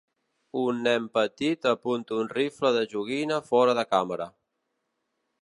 Un nen petit apunta un rifle de joguina fora de càmera.